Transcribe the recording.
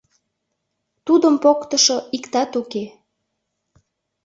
Тудым поктышо иктат уке.